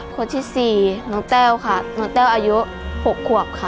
คนที่๔น้องแต้วค่ะน้องแต้วอายุ๖ขวบค่ะ